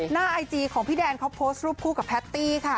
ไอจีของพี่แดนเขาโพสต์รูปคู่กับแพตตี้ค่ะ